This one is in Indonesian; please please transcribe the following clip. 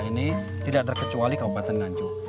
ini tidak terkecuali kabupaten nganjuk